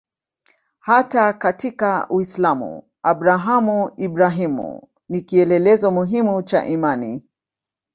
Hata katika Uislamu Abrahamu-Ibrahimu ni kielelezo muhimu cha imani.